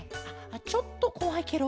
ちょっとこわいケロ。